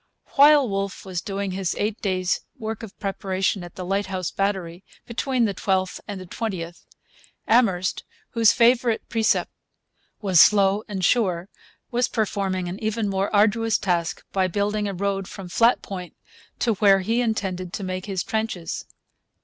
While Wolfe was doing his eight days' work of preparation at the Lighthouse Battery, between the 12th and the 20th, Amherst, whose favourite precept was 'slow and sure,' was performing an even more arduous task by building a road from Flat Point to where he intended to make his trenches.